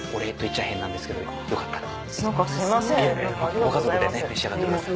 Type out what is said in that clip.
ご家族で召し上がってください。